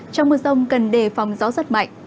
trong mưa rông cần đề phòng gió rất mạnh